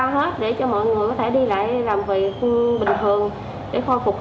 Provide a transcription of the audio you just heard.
bình thường để khôi phục